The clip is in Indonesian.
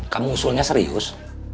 kamu usulnya serius